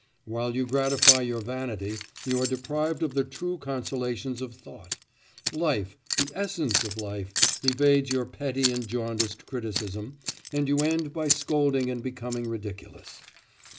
While you gratify your vanity, you are deprived of the true consolations of thought; life the essence of life evades your petty and jaundiced criticism, and you end by scolding and becoming ridiculous.